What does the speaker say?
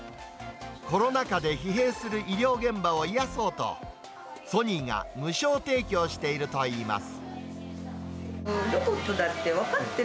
コロナ禍で疲弊する医療現場を癒やそうと、ソニーが無償提供しているといいます。